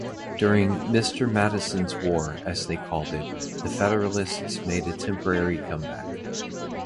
During "Mr. Madison's War", as they called it, the Federalists made a temporary comeback.